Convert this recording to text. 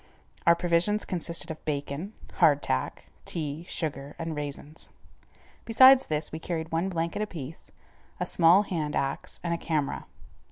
Our provisions consisted of bacon, hard tack, tea, sugar, and raisins. Besides this we carried one blanket apiece, a small hand axe, and a camera.